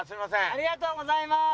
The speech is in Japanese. ありがとうございます！